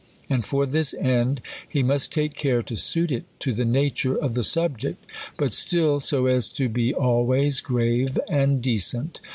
An J for this end, he must take care to suit it to the nature of the subject ; but still so as to be always grave and decent.